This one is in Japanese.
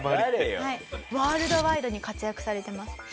ワールドワイドに活躍されてます。